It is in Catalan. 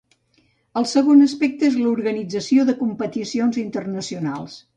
El segon aspecte és l'organització de competicions internacionals.